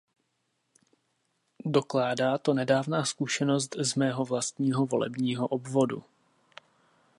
Dokládá to nedávná zkušenost z mého vlastního volebního obvodu.